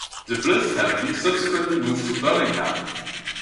The Blyth family subsequently moved to Birmingham.